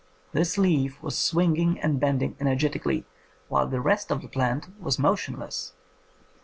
This leaf was swinging and bending energetically, while the rest of the plant was motionless.